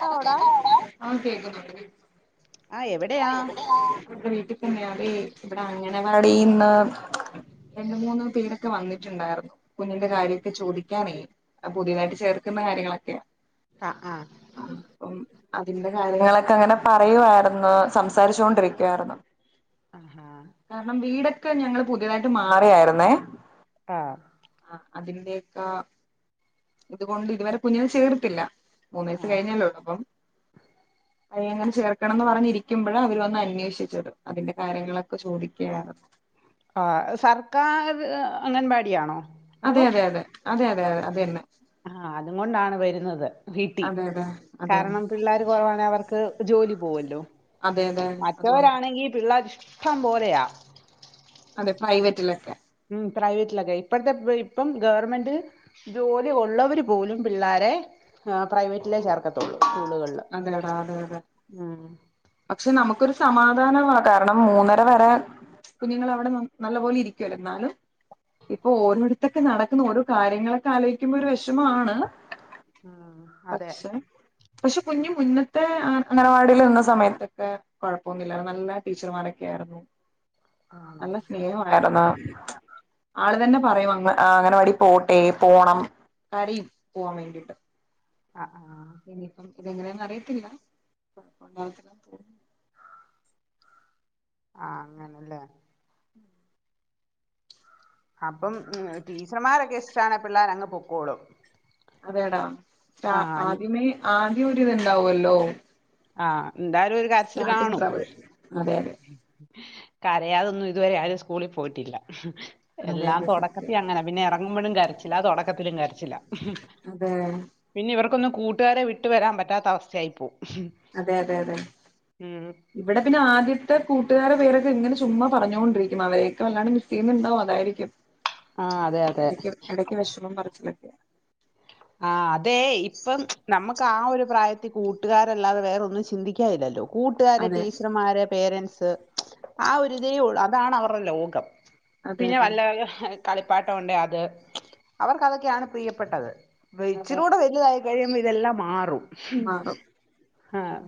Hello കേക്കാവോട ആഹ് കേക്കുന്നുണ്ട് കേക്കുന്നുണ്ട് ആഹ് എവിടെയാ ഇവിടെ വീട്ടിൽ തന്നെയതെ ഇവിടെ അംഗനവാടിന്ന് രണ്ടു മൂന്ന് പേരൊക്കെ വന്നിട്ടുണ്ടായിരുന്നു കുഞ്ഞിന്റെ കാര്യക്കെ ചോദിക്കാനേ പുതിയതായിട്ട് ചേർക്കുന്ന കാര്യങ്ങളൊക്കെ ആഹ് ആഹ് ആഹ് പ്പം അതിന്റെ കാര്യങ്ങളൊക്കെ അങ്ങനെ പറയുവായിരുന്നു സംസാരിച്ചോണ്ടിരിക്കുവായിരുന്നു ആഹ് കാരണം വീടൊക്കെ ഞങ്ങള് പുതിയതായിട്ട് മാറിയായിരുന്നേ ആഹ് ആഹ് അതിന്റയൊക്ക ഇതുകൊണ്ട് ഇതുവരെ കുഞ്ഞിനെ ചേർത്തില്ല മൂന്ന് ആ വയസ്സ് കഴിഞ്ഞല്ലേ ഉള്ളൂ അപ്പം അയങ്ങനെ ചേർക്കണന്ന് പറഞ്ഞിരിക്കുമ്പോഴ അവര് വന്ന് അന്വേഷിച്ചത് അതിന്റെ കാര്യങ്ങളൊക്കെ ചോദിക്കുയാരുന്നു ആഹ് സർക്കാർ അംഗൻവാടിയാണോ അതെ അതെ അതെ അതെ അതെ അതെ അതെന്നെ ആഹ് അതുകൊണ്ടാണ് വരുന്നത് വീട്ടിൽ കാരണം പിള്ളേർ കുറവാണെ അവർക്ക് ജോലി പോവ്വോല്ലോ മറ്റവരാണെങ്കിൽ പിള്ളേർ ഇഷ്ടം പോലെയാ അതെ പ്രൈവറ്റിലൊക്കെ ഉം പ്രൈവറ്റിലൊക്കെ ഇപ്പഴത്തെ ഇപ്പം ഗവർമെന്റ് ജോലി ഉള്ളവരു പോലും പിള്ളാരെ പ്രൈവറ്റിലേ ചേർക്കത്തുള്ളൂ സ്കൂളുകളിൽ അങ്ങനെടാ അതെ അതെ പക്ഷെ നമുക്കൊരു സമാധാനമാ കാരണം മൂന്നര വരെ കുഞ്ഞുങ്ങൾ അവിടെ നല്ല പോലെ ഇരിക്കുവല്ലോ ന്നാലും ഇപ്പൊ ഓരോടത്തൊക്കെ നടക്കുന്ന ഓരോ കാര്യങ്ങളൊക്കെ ആലോയ്ക്കുമ്പോരു വെഷമാണ് ഉം അതെ പക്ഷെ കുഞ്ഞ് മുന്നത്തെ അംഗനവാടിയിൽ ഇരുന്ന സമയത്തൊക്കെ കൊഴപ്പൊന്നുല്ലായിരുന്നു നല്ല ടീച്ചർമാരൊക്കെയിരുന്നു ആണോ നല്ല സ്നേഹണ്ടായിരുന്നു ആള് തന്നെ പറയും ആഹ് അംഗനവാടി പോട്ടെ പോണം കരയും പോവാൻ വേണ്ടിയിട്ട് ആഹ് ആഹ് ആഹ് ഇതെങ്ങനെയന്നറിയത്തില്ല ഇപ്പം ആഹ് അങ്ങനല്ലേ അപ്പം ടീച്ചർമാരൊക്കെ ഇഷ്ടാണെ പിള്ളേരങ്ങ് പൊക്കോളും അതെടാ ആ ആദ്യമേ ആദ്യം ഒരിതുണ്ടാവല്ലോ ആഹ് ഇണ്ടാ സ്റ്റാർട്ടിങ്ങ് ട്രബിൾ അതെ അതെ കരയാതൊന്നും ഇതുവരെ ആരും സ്കൂളിൽ പോയിട്ടില്ല എല്ലാം തുടക്കത്തി അങ്ങനാ പിന്നെ ഇറങ്ങുമ്പോഴും കരച്ചിലാ തുടക്കത്തിലും കരച്ചിലാ പിന്നെ ഇവർക്കൊന്നും കൂട്ടുകാരെ വിട്ടു വരാൻ പറ്റാത്ത അവസ്ഥയായിപ്പോവും അതെ അതെ അതെ ഇവിടെ പിന്നെ ആദ്യത്തെ കൂട്ടുകാരെ പേരൊക്കെ ഇങ്ങനെ ചുമ്മാ പറഞ്ഞുകൊണ്ടിരിക്കും അവരൊക്കെ വല്ലാണ്ട് മിസ് ചെയ്യുന്നുണ്ടാവും അതായിരിക്കും ആഹ് അതെ അതെ എടക്ക് വെഷമം പറച്ചിലൊക്കെയ. ആഹ് അതേ ഇപ്പം നമ്മക്കാ ഒരു പ്രായത്തി കൂട്ടുകാരല്ലാതെ വേറൊന്നും ചിന്തിക്കായില്ലല്ലോ. കൂട്ടുകാര് ടീച്ചർമാര് പേരന്റ്സ് ആ ഒരിതേയുള്ളൂ അതാണവറ് ലോകം. പിന്നെ വല്ല അങ്ങ് കളിപ്പാട്ട ഉണ്ടെ അത് അവർക്കതൊക്കെയാണ് പ്രിയപ്പെട്ടത്. വ ഇച്ചിലൂട വലുതായി കഴിയുമ്പ ഇതെല്ലാം മാറും ആഹ്.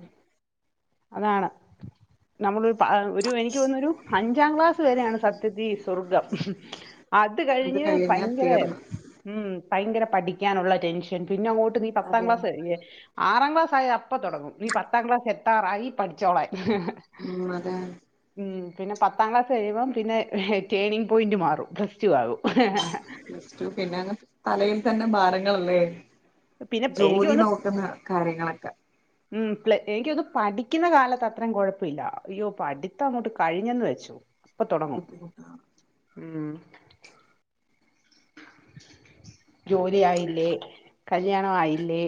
അതാണ് നമ്മള്. പ ഒരു എനിക്ക്യോന്നു ഒരു അഞ്ചാം ക്ലാസ് വരെണ് സത്യതി സ്വർഗം. അത് കഴിഞ്ഞ് ഭയങ്കരെ. ഉം ഭയങ്കര പഠിക്ക്യാനുള്ള ടെൻഷൻ പിന്നങ്ങോട്ട് നീ പത്താം ക്ലാസ് വരെ. ആറാം ക്ലാസ് ആയ അപ്പ തൊടങ്ങും നീ പത്താം ക്ലാസ് എത്താറായി പഠിച്ചോളാൻ. ഉം അതെ. ഉം പിന്നെ പത്താം ക്ലാസ് കഴിയുമ്പം പിന്നെ ടേണിങ് പോയിന്റ് മാറും പ്ലസ് ടു ആകും. റ്റു പിന്നങ് തലയിൽ തന്നെ ഭാരങ്ങളല്ലേ പിന്നെ എനിക്ക് ജോലി തോന്നുന്നു നോക്ക്ന്ന. കാര്യങ്ങളൊക്ക. ഉം പ്ലെ എനിക്ക്യോന്നുന്നു പഠിക്ക്ന്ന കാലത്തത്രേം കൊഴപ്പ ഇല്ല അയ്യോ പഠിത്തങ്ങോട്ട് കഴിഞ്ഞന്ന് വെച ചു അപ്പൊ തൊടങ്ങും ഉം. ജോലി ആയില്ലേ കല്യാണ ആയില്ലേ.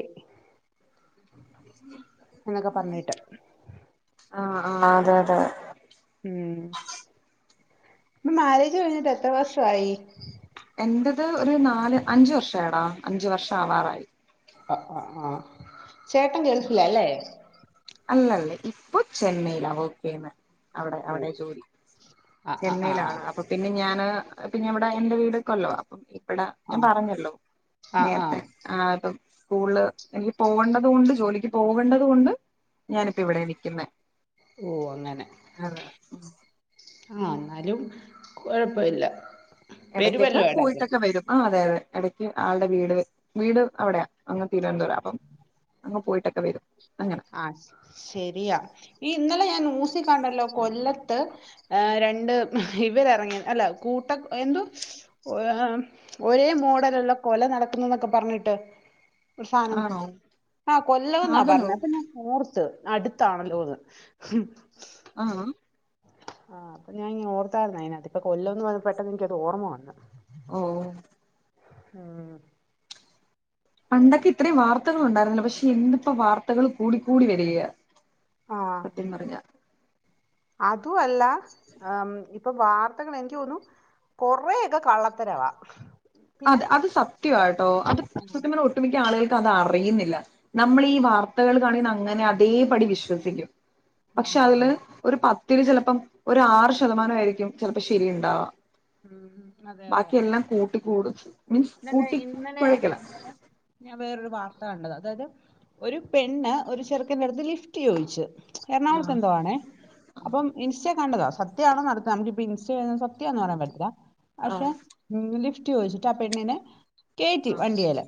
ഉം. ന്നൊക്കെ പർഞ്ഞിട്ട്. ആഹ് ആഹ് അതെ അതെ. ഉം പ്പ മാരേജ് കഴിഞ്ഞിട്ട് എത്ര വർഷവായി. എന്റത് ഒരു നാല് അഞ്ച് വർഷായെടാ അഞ്ച് വർഷ ആവാറായി. അ അ ആഹ് ചേട്ടൻ ഗൾഫില ലേ. അല്ല ല്ല ഇപ്പൊ ചെന്നൈയിലാ വർക്കെയ്യ്ന്നെ. അവിടെ ഓ അവിടെ ജോലി ആ ആ ആ ചെന്നൈയിലാണ് അപം. പിന്നെ ഞാന് പിന്നെവിടെ എന്റെ വീട് കൊല്ലവാ അപ്പ. വട ആ ഞാ പറഞ്ഞല്ലോ ആ ആ നേർത്തെ ആഹ്പ്പം സ്കൂൾല് എനിക്ക് പോവണ്ടത് കൊണ്ട്. ജോലിക്ക് പോവണ്ടത് കൊണ്ട് ഞാനിപ്പ ഇവിടെ നിക്ക്യുന്ന. ഓഹ് അങ്ങന ആഹ് ന്നാലും കൊഴപ്പ ഇല്ല. എടക്ക്യൊക്ക പോയിട്ടൊക്ക വരും ആഹ് അതെ അതെ എട ആൾടെ വീട് വീട് അവിടെയാ അങ്ങ് തിരുവനന്തപുരം അപ്പം. അങ്ങ് പോയിട്ടൊക്കെ വരും അങ്ങന. ആഹ് ശ് ശരിയാ ഈ ഇന്നലെ ഞാ നൂസി കണ്ടല്ലോ കൊല്ലത്ത്. ഏഹ് രണ്ട് ഇവരെറങ്ങി അല്ല കൂട്ട എന്തോ. ഒരേ മോഡല്ള്ള കൊല നടക്കുന്നു ന്നൊക്കെ പർഞ്ഞിട്ട്. പ്രസാനം ആഹ് കൊല്ലവുന്നാ പർഞ്ഞ. നോർത്ത് അടുത്താണല്ലോ അത്. ആഹ് ആഹ്. ആഹ് അപ്പ ഞാ ഇങ് ഓർത്തായിര്ന്നു അയ്നകത്ത് ഇപ്പ കൊല്ലന്ന് പർഞ്ഞ പെട്ടെന്ന് എനിക്ക്യത് ഓർമ്മ വന്ന്. ഓഹ്. ആഹ്. പണ്ടൊക്കെ ഇത്രിം വാർത്തകളുണ്ടായിരുന്നില്ല പക്ഷെ ഇന്ന്പ്പ വാർത്തകള് കൂടിക്കൂടി വരികയ. സത്യം പറഞ്ഞ അതു അല്ല ആം. പ്പ വാർത്തകള് എനിക്ക് തോന്നുന്നു കൊറെയൊക്കെ കള്ളത്തരവാ. പിന്നെ അത് അത് സത്യവാട്ടോ അത് സത്യം പർഞ്ഞ ഒട്ടുമിക്ക ആളുകൾക്ക് അതറിയുന്നില്ല. നമ്മളീ വാർത്തകൾ കണിണ അങ്ങനെ അതേപടി വിശ്വസിക്ക്യും. ഉം, പക്ഷെ അതില് അതെ ഒരു പത്തില് ചെലപ്പം ഒരാറ് ശതമാന ആയിരിക്ക്യും ചെലപ്പ ശരിയുണ്ടാവ. ഉം, ബാക്കിയെല്ലാം കൂട്ടി കൂട്. പിന്നെന്താ ഇന്നലെ ഇന്നലെ ഞാ വേറൊരു വാർത്ത കണ്ടത അതായ്ത്. ഒരു പെണ്ണ് ഒരു ചെറുക്കന്റെ അടുത്ത് ലിഫ്റ്റ് ചോദിച്ചു എറണാകുളത്ത് എന്തോ ആണേ അപ്പം ഇൻസ്റ്റ കണ്ടതാ സത്യമാണോ നടത്തുന്നത് നമുക്കിപ്പോ ഇൻസ്റ്റ സത്യം ആന് പറയാൻ പറ്റില്ല പക്ഷെ ലിഫ്റ്റ് ചോദിച്ചിട്ട് ആ പെണ്ണിനെ കേറ്റിവണ്ടിയെല്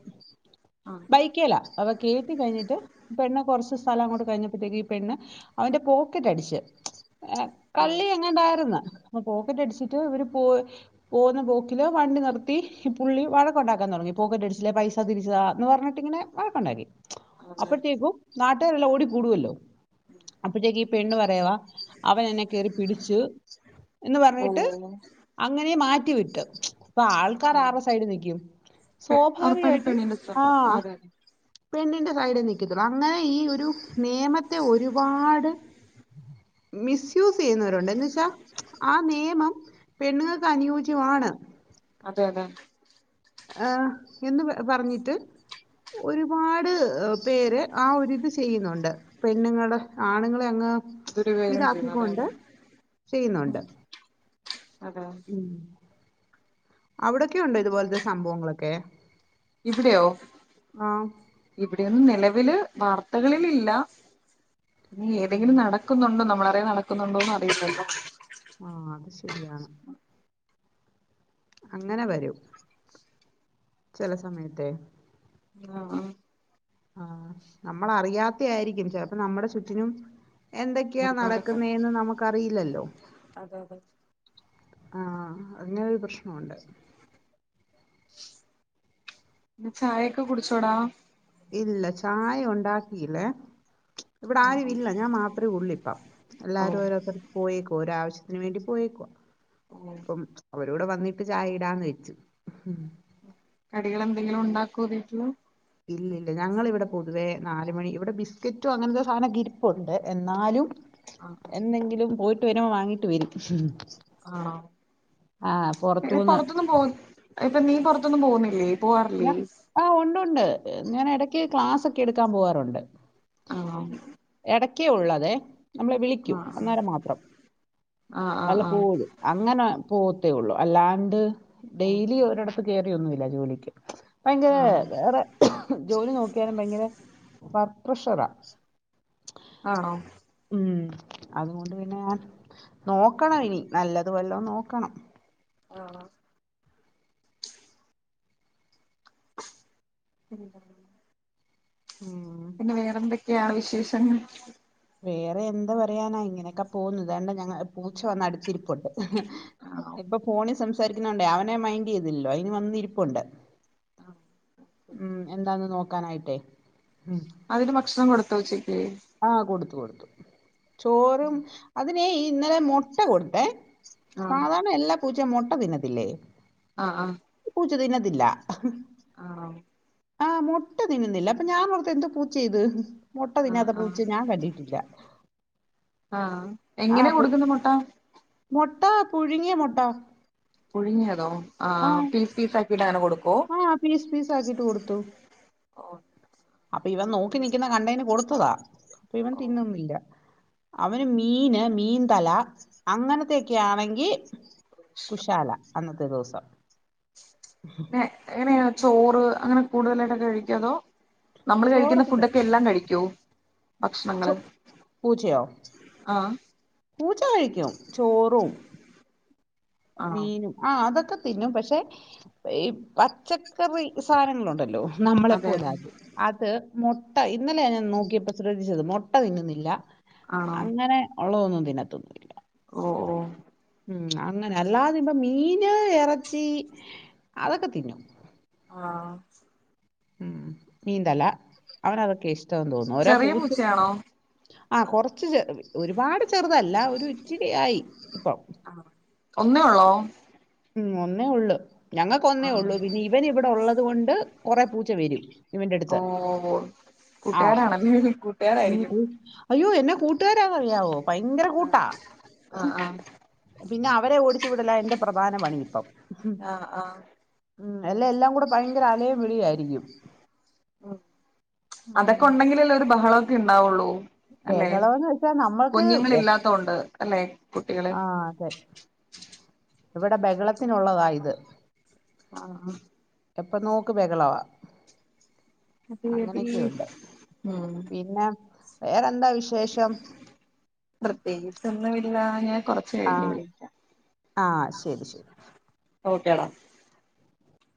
ബൈക്കേല അവകേറ്റികഴിഞ്ഞിട്ട് പെണ്ണ്കൊറ്ച്ച് സ്ഥലംങ്ങൊട് കഴിഞ്ഞപ്പോഴ്ത്തേക്ക് ഈപെണ്ണ് അവന്റെപോക്കറ്റടിച്ച് ഹെ കള്ളിഎങ്ങണ്ടായ്ര്ന്നു പോക്കറ്റടിച്ചിട്ട് ഇവര് പോയ് പോക്ന്നബോക്കില് വണ്ടിനിർത്തി ഈപുള്ളി വഴക്കുണ്ടാക്കാൻതൊടങ്ങി പോക്കറ്റ്ടിച്ച്ലെ പൈസതിരിച്ച്താ ന്ന്പറഞ്ഞിട്ടിങ്ങനെ വഴക്കുണ്ടാക്കി അപ്പഴ്ത്തേക്കും നാട്ടെരെല്ലാംഓടിക്കൂടുവല്ലോ അപ്പഴ്ത്തേക്ക് ഈപെണ്ണ്പറയവാ അവനന്നെ കേറിപിടിച്ചു എന്ന്പർഞ്ഞിട്ട് അങ്ങനെമാറ്റിവിട്ടു ഇപ്പ കാറാറസൈഡ്നിക്കും സ്വാഭാവികയിട്ടും ആഹ് പെണ്ണിന്റെസൈഡേ നക്ക്ത്തുള്ളൂ അങ്ങനെഈഒരു നിയമത്തെഒരുപാട് മിസ്യൂസ്സെയ്യുന്നവരുണ്ട് എന്ന് വെച്ചാ ആനിയമം പെണ്ണുങ്ങക്ക് അനുയോജ്യവാണ് അതെഅതെ ആഹ് എന്ന് പ പറഞ്ഞിട്ട് ഒരുപാട് പേര് ആ ഒരിത്ചെയിന്നുണ്ട് പെണ്ണുങ്ങളെ ആണുങ്ങളെഅങ്ങ് ഇതാക്കിക്കൊണ്ട് ചെയ്യുന്നൊണ്ട് അതാ അവ്ടൊക്കെണ്ടോ ഇതുപോൽത്തെ സംഭവങ്ങളൊക്കെ? ഇവിടെയോ ആ ഇവിടെയൊന്നും നെലവില് വാർത്തകളിലില്ല ആ ഇനിഏതെങ്കിലും നടക്കുന്നുണ്ടോ നമ്മളറിയൻ നടക്കുന്നുണ്ടോന്ന് അറിയില്ലല്ലോ ആഹ് അത്ശരിയാണ്. അങ്ങനെവരൂ ചെലെസമയത്തെ ആഹ് ആഹ് നമ്മളറിയാത്തെ ആരിക്കും ചിൽപ്പോനമ്മ്ടെചുറ്റിനും എന്തൊക്കെയാ നടക്കുന്നെന്ന്നമുക്കറിയില്ലല്ലോ? ആഹ് അങ്ങനെരുപ്രശ്നോണ്ട് പി ചായെക്കെകുടിച്ചോടാ? ഇല്ല ചായഉണ്ടാക്കീലേ ഇവ്ടെആരുഇല്ല ഞാൻമാത്രുഉള്ളിപ്പം എല്ലാരുംഓരോര്ത്ത പോയേക്കുവാ ഒരാവശ്യത്തിന് വേണ്ടി പോയേകുവ [unintelligible] പ്പം അവരോടെവന്നിട്ട് ചായയിടാന്ന് വെച്ചു കടികളന്തെങ്കിലുംണ്ടാക്കോവീട്ട്ല്? ഇല്ലില്ല ഞങ്ങിവിടെപൊതുവേനാലുമണി ഇവിടെബിസ്ക്കറ്റോ അങ്ങൻത്തെ സാധനൊക്കെ ഇരിപ്പുണ്ട് എന്നാലും എന്തെങ്കിലും പോയിട്ട് വരുമ്പോ വാങ്ങീട്ട് വരും ആണോ ആഹ് എടെ പൊറത്തൂന്ന് പുറത്തൊന്നും പോകു ഇപ്പൊ നീപൊറത്തൊന്നും പോകുന്നില്ലേ പോവാറില്ലേ? ആഹ് ഉണ്ട്ഉണ്ട് ഞാൻ എടക്ക് ക്ലാസ്സൊക്കെ എടുക്കാൻപോവാറുണ്ട് എടക്കെഉള്ളതെ നമ്മളെവിളിക്കും അന്നേരംമാത്രം വല്ലപ്പോഴും അങ്ങനെപോത്തേഒള്ളു അല്ലാണ്ട് ഡെയിലിഒരിടത്ത്കേറിയൊന്നുല്ല ജോലിക്ക് ഭയങ്കരവേറെ ജോലിനോക്കിയാലുംഭയങ്കര വർക്ക്പ്രഷറാ ആണോ? ഉം അതുകൊണ്ട്പിന്നെഞാൻ നോക്കണംഇനി നല്ലത് വല്ലൊംനോക്കണം. ആണോ? [unintelligible] [unintelligible] ഉം പിന്നെവേറെന്തൊക്കെയാണ് വിശേഷങ്ങൾ വേറെ എന്ത് പറയാനാ ഇങ്ങനെക്കെ പോവ്ന്ന് താണ്ടാഞങ്ങ പൂച്ചവന്നഅടുത്തിരിപ്പൊണ്ട് ഇപ്പൊഫോണിസംസാരിക്കുന്നോണ്ടേ അവനെമൈൻഡ് ചെയ്തില്ലലോ അയിന് വന്ന്ഇരിപ്പുണ്ട്. ഉം എന്താന്ന് നോക്കാനായിട്ടേ ഉം അതിന് ഭക്ഷണം കൊടുത്തൊ ഉച്ചക്ക് ആഹ് കൊടുത്തു കൊടുത്തു ചോറും അതിനെ ഇന്നലെ മൊട്ട കൊടുത്തേ സാധാരണ എല്ലാ പൂച്ചേ മൊട്ട തിന്നത്തില്ലേ ആഹ് ആഹ് ഈ പൂച്ച തിന്നത്തില്ല ആഹ് ആഹ് മൊട്ട തിന്നുന്നില്ല അപ്പൊ ഞാൻ ഓർത്ത് എന്ത് പൂച്ചേ ഇത് മൊട്ട തിന്നാത്ത പൂച്ച ഞാൻ കണ്ടിട്ടില്ല ആഹ് എങ്ങനാ കൊടുക്കുന്നെ മൊട്ട മൊട്ട പുഴുങ്ങിയ മൊട്ട പുഴുങ്ങിയതോ ആഹ് പീസ് പീസ് ആക്കിട്ടങ്ങനെ കൊടുക്കോ ആ പീസ് പീസ് ആക്കിട്ട് കൊടുത്തു അപ്പൊ ഇവൻ നോക്കി നിക്കുന്ന കണ്ടയിന് കൊടുത്തതാ അപ്പൊ ഇവൻ തിന്നുന്നില്ല അവന് മീന് മീൻ തല അങ്ങനത്തൊക്കെ ആണെങ്കി കുശാല അന്നത്തെ ദെവസം എങ്ങനെയ ചോറ് അങ്ങനെ കൂടുതലായിട്ട് ഒക്കെ കഴിക്കുവോ അതോ നമ്മള് കഴിക്കുന്ന ചോറൊക്കെ ഫുഡൊക്കെ എല്ലാം കഴിക്കോ ചൊ പൂച്ചയൊ പൂച്ച കഴിക്കും ചോറും- മീനും ആഹ് അതൊക്കെ തിന്നും പക്ഷെ ഈ പച്ചക്കറി സാനങ്ങളുണ്ടല്ലോ നമ്മളെ പോലാ അത് അത് മൊട്ട ഇന്നലെ ഞാൻ നോക്കിയപ്പോ ശ്രദ്ധിച്ചത് മൊട്ട തിന്നുന്നില്ല അങ്ങനെ ഒള്ളതൊന്നും തിന്നത്തൊന്നില്ല ഓഹ് ഓഹ് ഉം അങ്ങനെ അല്ലാതിപ്പം മീന് എറച്ചി അതൊക്കെ തിന്നും ആഹ് ഉം മീൻതല അവനതൊക്കെ ഇഷ്ട്ടംന്ന് തോന്നുന്നു ഓരോ പൂച്ച- ആഹ് കൊറച്ച് ചെറു ഒരുപാട് ചെറുതല്ല ഒരു ഇച്ചിരി ആയി ഇപ്പം ആഹ് ഒന്നേ ഉള്ളോ ഉം ഒന്നേ ഉള്ള് ഞങ്ങക്ക് ഒന്നേ ഉള്ളൂ പിന്നെ ഇവന് ഇവടെ ഉള്ളത് കൊണ്ട് കൊറെ പൂച്ച വരും ഓഹ് ആഹ് അയ്യോ എന്നാ കൂട്ടുകാരാന് അറിയാവോ ഭയങ്കര കൂട്ടാ ആഹ് ആഹ് പിന്നെ അവരെ ഓടിച്ചു വിടല എന്റെ പ്രധാന പണി ഇപ്പം എല്ല എല്ലാം കൂടെ ഭയങ്കര അലയും വിളിയായിരിക്കും ഉം അതൊക്കെ ഉം. ഒണ്ടെങ്കിലല്ലേ ഒരു ബഹളവോക്കെ ഇണ്ടാവുള്ളൂ ബഹളം എന്ന് വെച്ചാ നമ്മൾക്ക് എ തോണ്ട് അല്ലെ കുട്ടികൾ ആഹ് അതെ ഇവിടെ ബഹളത്തിനുള്ളതാ ഇത് ആഹ് ആഹ് എപ്പ നോക്ക് ബഹളവാ അങ്ങനെക്കെ ഒണ്ട് പിന്നെ- വേറെ എന്താ വിശേഷം പ്രത്യേകിച്ചൊന്നുമില്ല ഞാൻ കൊറ ഇച്ചിരി ആ കഴിഞ്ഞ് വിളിക്കാം ആ ശരി ശരി ഓക്കെടാ